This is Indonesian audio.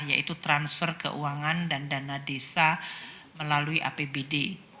yaitu transfer keuangan dan dana desa melalui apbd